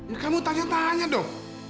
ini kamu tanya tanya dong